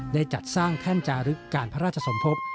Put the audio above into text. ได้จัดสร้างแท่นจารึกการพระราชสมภพ